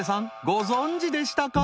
ご存じでしたか？］